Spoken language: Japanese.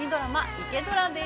「イケドラ」です。